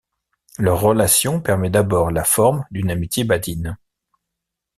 Leurs relations prennent d'abord la forme d'une amitié badine.